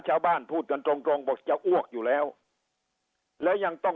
ชาวบ้านพูดกันตรงบอกจะอ้วกอยู่แล้วแล้วยังต้อง